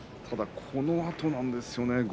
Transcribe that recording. ただ、このあとなんですね。